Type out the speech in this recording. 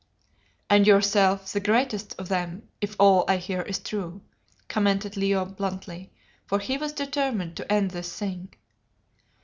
"And yourself, the greatest of them, if all I hear is true," commented Leo bluntly, for he was determined to end this thing.